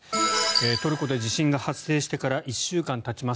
トルコで地震が発生してから１週間たちます。